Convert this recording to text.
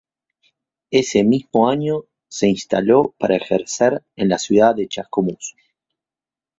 Ese mismo año se instaló para ejercer en la ciudad de Chascomús.